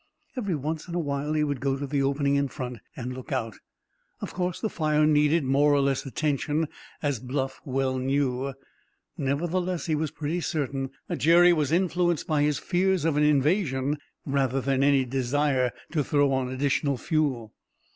Every once in a while he would go to the opening in front and look out. Of course, the fire needed more or less attention, as Bluff well knew; nevertheless, he felt pretty certain that Jerry was influenced by his fears of an invasion rather than any desire to throw on the additional fuel.